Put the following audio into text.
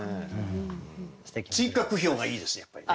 追加句評がいいですねやっぱりね。